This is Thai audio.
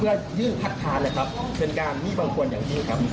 เพื่อยื่นคัดค้านเลยครับเป็นการไม่บังควรอย่างยิ่งครับ